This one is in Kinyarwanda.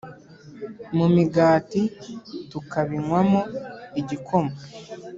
mu migati, tukabinywamo igikoma,